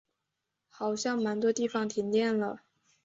好像蛮多地方停电了